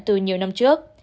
từ nhiều năm trước